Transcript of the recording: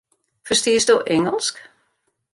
Ferstiesto Ingelsk?